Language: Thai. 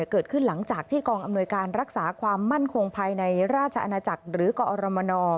เกิดขึ้นหลังจากที่กองอำนวยการรักษาความมั่นคงภายในราชอาณาจักรหรือกอรมน